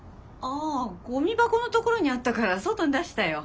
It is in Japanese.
あゴミ箱のところにあったから外に出したよ。